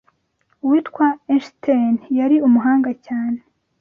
Uwitwa Enshiteni yari umuhanga cyane